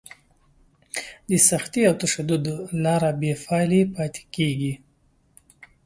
د سختي او تشدد لاره بې پایلې پاتې کېږي.